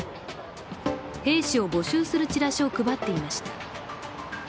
兵士を募集するチラシを配っていました。